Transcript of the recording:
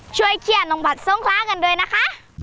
ช่วยเขียนน้องผักสมขลากันด้วยนะคะ